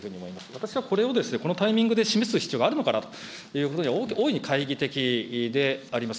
私はこれをこのタイミングで示す必要があるのかなということに、大いに懐疑的であります。